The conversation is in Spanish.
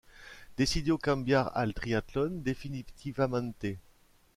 Decidió cambiar al triatlón definitivamente.